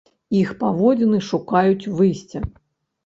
Іх паводзіны шукаюць выйсця.